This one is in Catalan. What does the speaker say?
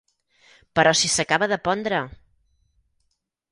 Però si s'acaba de pondre!